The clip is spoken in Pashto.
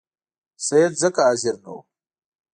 سید ځکه حاضر نه وو.